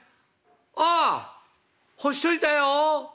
「ああ干しといたよ。